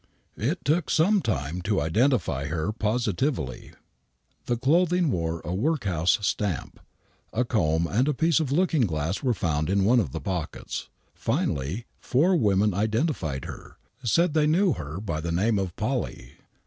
It took some time to identify her positively. The clothing wore a workhouse stamp. A comb and a piece of looking glass were found in one of the pockets. Finally four women identified her, said they knew her by the name of " Polly."